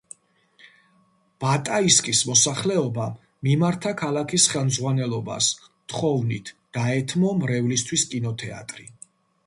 ბატაისკის მოსახლეობამ მიმართა ქალაქის ხელმძღვანელობას თხოვნით დაეთმო მრევლისთვის კინოთეატრი.